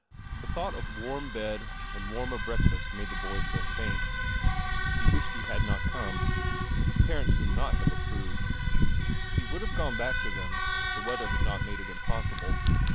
The thought of warm bed and warmer breakfast made the boy feel faint. He wished he had not come. His parents would not have ap proved. He would have gone back to them if the weather had not made it impossible.